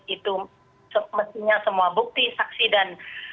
itu mestinya semua bukti saksi dan